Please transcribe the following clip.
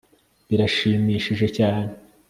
birashimishije cyane